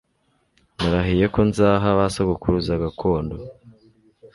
narahiye ko nzaha ba sogokuruza gakondo